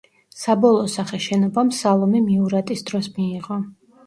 საბოლოო სახე შენობამ სალომე მიურატის დროს მიიღო.